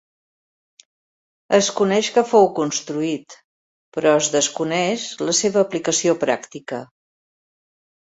Es coneix que fou construït, però es desconeix la seva aplicació pràctica.